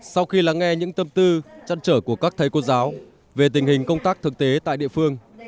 sau khi lắng nghe những tâm tư chăn trở của các thầy cô giáo về tình hình công tác thực tế tại địa phương